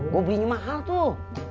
gue belinya mahal tuh